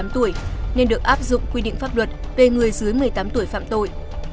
thì không áp dụng quy định pháp luật về người dưới một mươi tám tuổi phạm tội